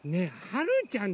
はるちゃん！